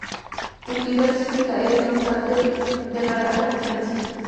La actividad sísmica es, no obstante, de rara ocurrencia.